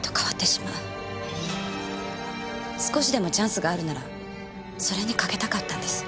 少しでもチャンスがあるならそれに賭けたかったんです。